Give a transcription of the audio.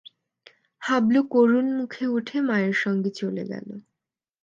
হাবলু করুণ মুখে উঠে মায়ের সঙ্গে চলে গেল।